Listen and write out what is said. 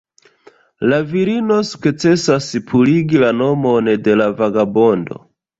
La virino sukcesas purigi la nomon de la vagabondo.